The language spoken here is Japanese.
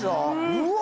うわ！